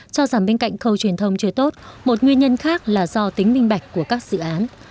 cho rằng bên cạnh khâu truyền thông chưa tốt một nguyên nhân khác là do tính minh bạch của các dự án